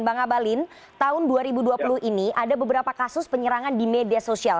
bang abalin tahun dua ribu dua puluh ini ada beberapa kasus penyerangan di media sosial